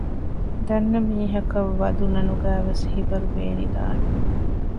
ދަންނަ މީހަކަށް ވަދު ނަނުގައިވެސް ހިބަރު ބޭނިދާނެ